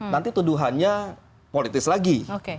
nanti tuduhannya politis lagi